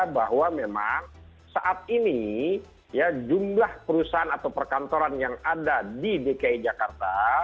bahwa memang saat ini jumlah perusahaan atau perkantoran yang ada di dki jakarta